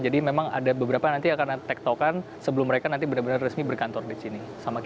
jadi memang ada beberapa nanti akan kita tektokan sebelum mereka nanti benar benar resmi berkantor di sini